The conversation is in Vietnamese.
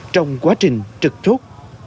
trong quá trình trực thúc